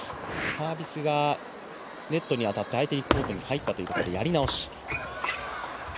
サービスがネットに当たって、相手コートに入ったということでやり直し。